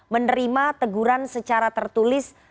menerima teguran secara tertulis